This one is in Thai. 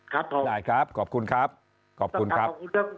ครับครับสำหรับคุณสุภาพครับ